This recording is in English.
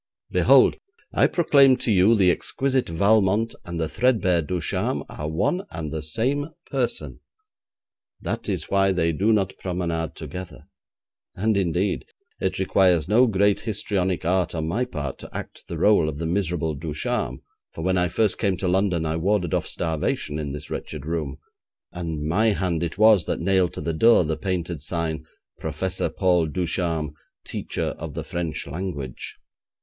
Behold, I proclaim to you, the exquisite Valmont and the threadbare Ducharme are one and the same person. That is why they do not promenade together. And, indeed, it requires no great histrionic art on my part to act the rôle of the miserable Ducharme, for when I first came to London, I warded off starvation in this wretched room, and my hand it was that nailed to the door the painted sign 'Professor Paul Ducharme, Teacher of the French Language'.